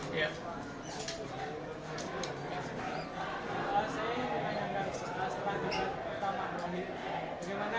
kita tanya pertanyaan tiga empat pertanyaan silahkan